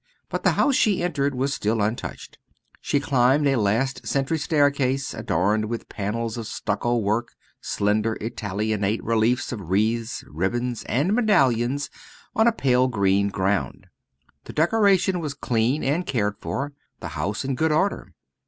But the house she entered was still untouched. She climbed a last century staircase, adorned with panels of stucco work slender Italianate reliefs of wreaths, ribbons, and medallions on a pale green ground. The decoration was clean and cared for, the house in good order.